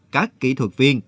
các kỹ thuật viên